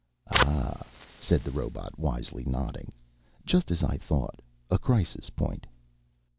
"Ah," said the robot wisely, nodding. "Just as I thought. A crisis point."